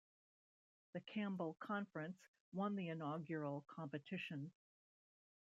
The Campbell Conference won the inaugural competition.